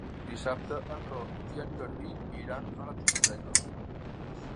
Dissabte en Roc i en Garbí iran a la biblioteca.